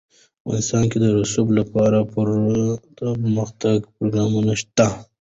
افغانستان کې د رسوب لپاره پوره دپرمختیا پروګرامونه شته دي.